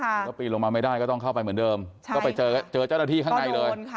แล้วปีนลงมาไม่ได้ก็ต้องเข้าไปเหมือนเดิมก็ไปเจอเจ้าหน้าที่ข้างในเลย